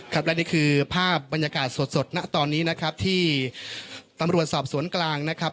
ครับและนี่คือภาพบรรยากาศสดณตอนนี้นะครับที่ตำรวจสอบสวนกลางนะครับ